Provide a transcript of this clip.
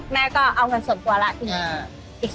แม่ก็เอาเงินส่วนตัวแล้วทีนี้